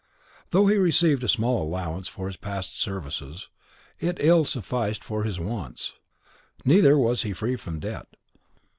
Though he received a small allowance for his past services, it ill sufficed for his wants,; neither was he free from debt.